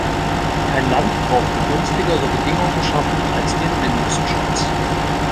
Kein Land braucht günstigere Bedingungen schaffen als den Mindestschutz.